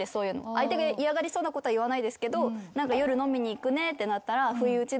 相手が嫌がりそうなことは言わないですけど夜飲みに行くねってなったら。